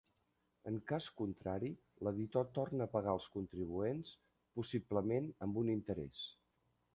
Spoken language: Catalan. En cas contrari, l'editor torna a pagar als contribuents, possiblement amb un interès.